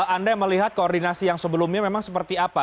anda melihat koordinasi yang sebelumnya memang seperti apa